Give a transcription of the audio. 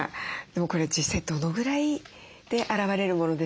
でもこれは実際どのぐらいで現れるものでしょうか？